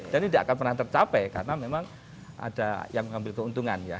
dan ini tidak akan pernah tercapai karena memang ada yang mengambil keuntungan ya